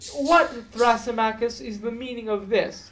What, Thrasymachus, is the meaning of this?